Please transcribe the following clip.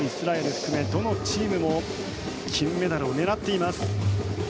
含めどのチームも金メダルを狙っています。